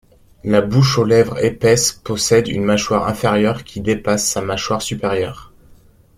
La bouche aux lèvres épaisses possède une mâchoire inférieure qui dépasse sa mâchoire supérieure.